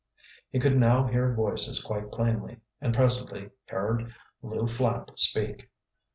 He could now hear voices quite plainly, and presently heard Lew Flapp speak.